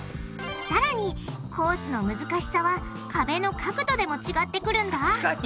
さらにコースの難しさは壁の角度でも違ってくるんだ確かに。